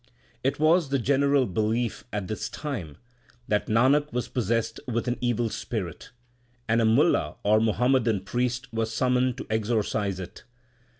It was the general belief at this time that Nanak was possessed with an evil spirit, and a Mulla or Muhammadan priest was summoned to exorcise it.